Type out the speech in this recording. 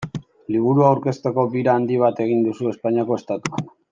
Liburua aurkezteko bira handi bat egin duzu Espainiako Estatuan.